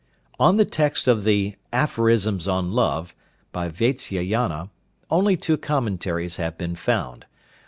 On the text of the 'Aphorisms on Love,' by Vatsyayana, only two commentaries have been found.